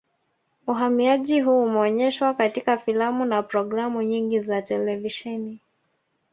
Uhamiaji huu umeonyeshwa katika filamu na programu nyingi za televisheni